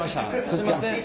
すんません。